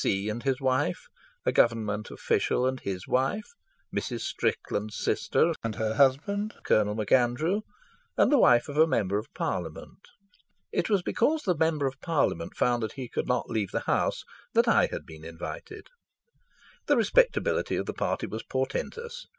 C. and his wife, a Government official and his wife, Mrs. Strickland's sister and her husband, Colonel MacAndrew, and the wife of a Member of Parliament. It was because the Member of Parliament found that he could not leave the House that I had been invited. The respectability of the party was portentous.